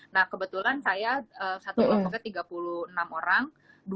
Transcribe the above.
nah kebetulan saya satu kelompoknya tiga puluh enam orang